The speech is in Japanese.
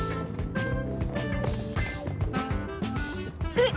えっ！